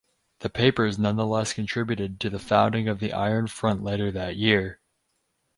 The papers nonetheless contributed to the founding of the Iron Front later that year.